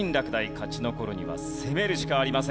勝ち残るには攻めるしかありません。